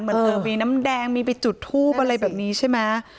เออมีน้ำแดงมีไปจุดทูบอะไรแบบนี้ใช่ไหม